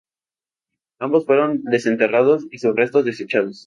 Ambos fueron desenterrados y sus restos desechados.